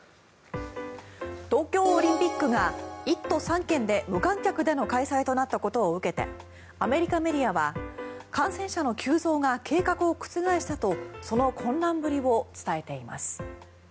東京オリンピックが１都３県で無観客での開催となったことを受けてアメリカメディアは感染者の急増が計画を覆したとその混乱ぶりを伝えています。